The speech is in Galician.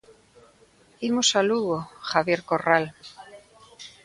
Imos a Lugo, Javier Corral.